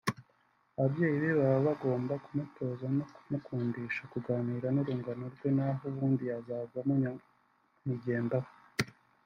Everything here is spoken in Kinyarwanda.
ababyeyi be baba bagomba kumutoza no kumukundisha kuganira n’urungano rwe naho ubundi yazavamo nyamwigendaho